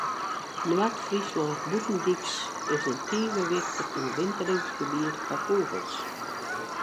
Noard-Fryslân Bûtendyks is in tige wichtich oerwinteringsgebiet foar fûgels.